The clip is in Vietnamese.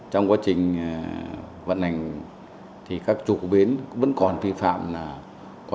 trong quá trình vận hành